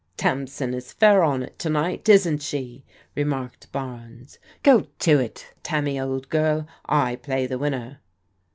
"Tamsin is fair on it to night, isn't she?" remarked Barnes. " Gro to it, Tammy, old girl. I play the winner."